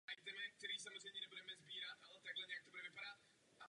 Jízda začíná v podzemí.